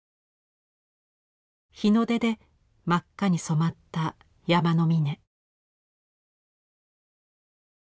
日の出で真っ赤に染まった山の峰。